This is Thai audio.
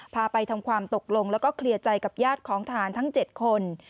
พาไปทำความตกลงแล้วก็เคลียร์ใจกับญาติของทหารทั้ง๗คน